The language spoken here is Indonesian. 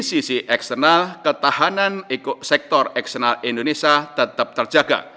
sisi eksternal ketahanan sektor eksternal indonesia tetap terjaga